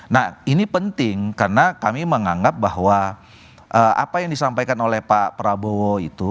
nah ini penting karena kami menganggap bahwa apa yang disampaikan oleh pak prabowo itu